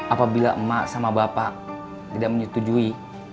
apabila emak sama bapak tidak menyetujui